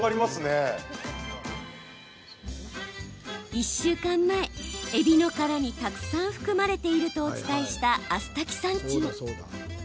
１週間前、えびの殻にたくさん含まれているとお伝えしたアスタキサンチン。